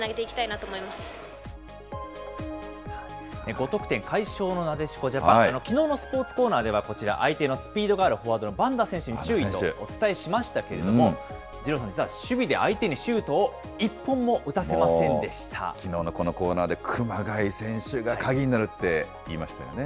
５得点、快勝のなでしこジャパン、きのうのスポーツコーナーでは、こちら、相手のスピードがあるフォワードのバンダ選手に注意とお伝えしましたけれども、二郎さん、実は守備で、相手にシュートを一本も打きのうのこのコーナーで熊谷選手が鍵になるって言いましたよね。